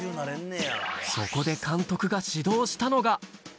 そこで監督が指導したのが。